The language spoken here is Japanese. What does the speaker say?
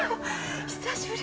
「久しぶり。